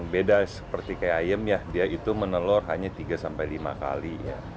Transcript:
beda seperti kayak ayam ya dia itu menelur hanya tiga sampai lima kali